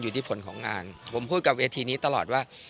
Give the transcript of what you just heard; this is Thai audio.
ที่ผลของงานผมพูดกับเวทีนี้ตลอดว่า